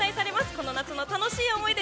この夏の楽しい思い出